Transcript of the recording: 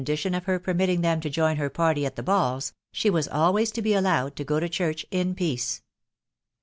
* of her permitting then to jose*. her party at the baft's, she was always to be allowed to go to church in peace.